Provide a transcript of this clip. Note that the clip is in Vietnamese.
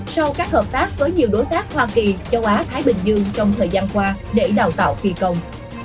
sau các hợp tác với nhiều đối tác hoa kỳ châu á thái bình dương trong thời gian qua để đào tạo phi công